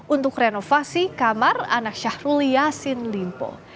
untuk renovasi kamar anak syahrul yassin limpo